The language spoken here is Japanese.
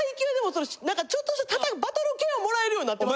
ちょっとした例えばバトル系は貰えるようになってます。